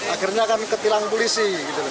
akhirnya akan ke tilang polisi